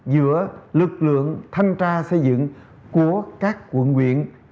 giữa lực lượng thanh tra xây dựng của các quận quyện